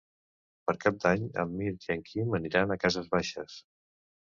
Per Cap d'Any en Mirt i en Quim aniran a Cases Baixes.